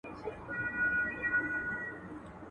چی مات سوي یو زړه ماتي او کمزوري.